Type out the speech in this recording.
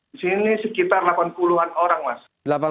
di sini sekitar delapan puluh an orang mas